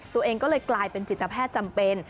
ตัวเองก็เลยกลายเป็นจิตแพทย์จำเป็น